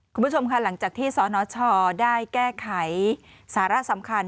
คุณผู้ชมค่ะหลังจากที่สนชได้แก้ไขสาระสำคัญ